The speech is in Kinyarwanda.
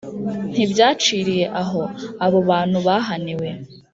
Ntibyaciriye aho, abo bantu bahaniwe